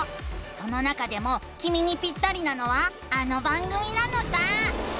その中でもきみにピッタリなのはあの番組なのさ！